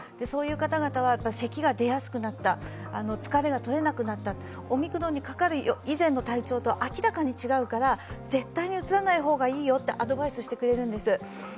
そういう方々はせきが出やすくなった疲れがとれなくなったオミクロンにかかる以前の体調と明らかに違うから絶対にうつらない方がいいよとアドバイスしてくれるんです。